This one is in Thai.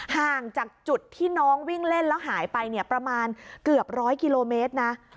ห่างจากจุดที่น้องวิ่งเล่นแล้วหายไปเนี่ยประมาณเกือบร้อยกิโลเมตรนะ